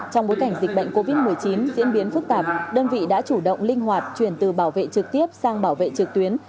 trong bối cảnh dịch bệnh covid một mươi chín diễn biến phức tạp đơn vị đã chủ động linh hoạt chuyển từ bảo vệ trực tiếp sang bảo vệ trực tuyến